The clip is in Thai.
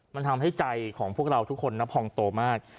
มันทำให้ใจของพวกเราทุกคนพองโตมาก